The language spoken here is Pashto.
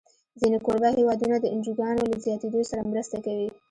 ځینې کوربه هېوادونه د انجوګانو له زیاتېدو سره مرسته کوي.